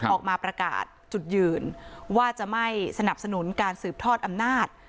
ออกมาประกาศจุดยืนว่าจะไม่สนับสนุนการสืบทอดอำนาจ